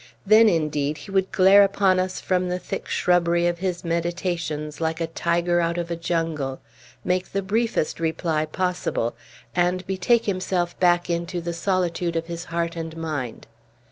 Then, indeed, he would glare upon us from the thick shrubbery of his meditations like a tiger out of a jungle, make the briefest reply possible, and betake himself back into the solitude of his heart and mind.